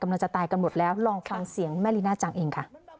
กำลังจะตายกันหมดแล้วลองเข้าฟังเสียงแม่ลีน่าจัง